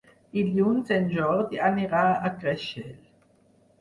Dilluns en Jordi anirà a Creixell.